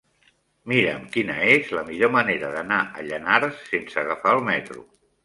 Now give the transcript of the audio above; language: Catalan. Mira'm quina és la millor manera d'anar a Llanars sense agafar el metro.